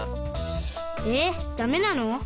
えダメなの？